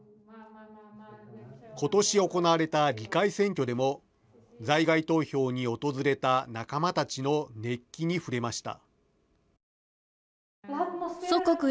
ことし行われた議会選挙でも在外投票に訪れた仲間たちの熱気に触れました。